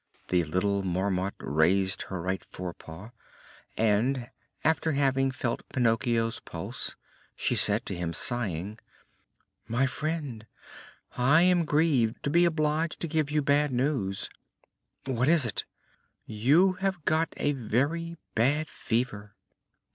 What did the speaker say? The little Marmot raised her right fore paw, and, after having felt Pinocchio's pulse, she said to him, sighing: "My friend, I am grieved to be obliged to give you bad news!" "What is it?" "You have got a very bad fever!"